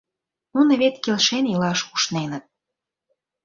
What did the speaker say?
Нуно вет келшен илаш ушненыт...